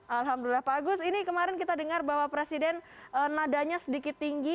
alhamdulillah pak agus ini kemarin kita dengar bahwa presiden nadanya sedikit tinggi